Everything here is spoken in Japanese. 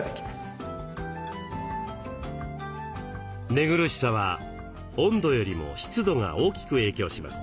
寝苦しさは温度よりも湿度が大きく影響します。